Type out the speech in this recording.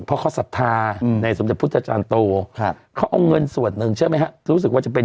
พาเขาสรรพาในสปทปุทธจารย์โตเขาเงินส่วนหนึ่งเชิญรู้ไหมรู้สึกว่าจะเป็น